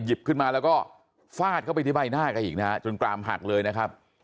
ขึ้นมาแล้วก็ฟาดเข้าไปที่ใบหน้าแกอีกนะฮะจนกรามหักเลยนะครับ